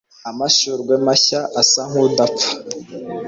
Amashurwe mashya asa nkudapfa